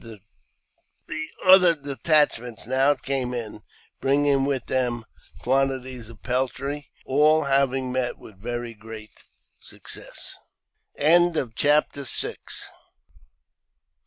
The other detachments now came in, bringing with them quantities of peltry, all having met with very great success. CHAPTEK VII.